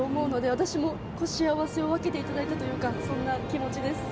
私も、幸せを分けていただいたという気持ちです。